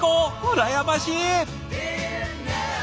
羨ましい！